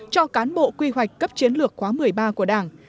cho cán bộ quy hoạch cấp chiến lược khóa một mươi ba của đảng